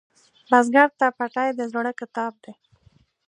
بزګر ته پټی د زړۀ کتاب دی